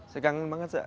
saya kangen banget kak